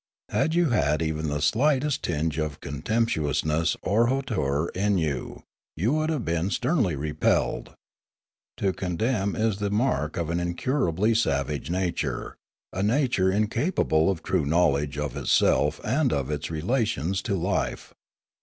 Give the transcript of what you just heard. Had you had even the slightest tinge of contemptuousness or hauteur in you, you would have been sternly repelled. To contemn is the mark of an incurably savage nature, a nature incapable of true knowledge of itself and of its relations to life.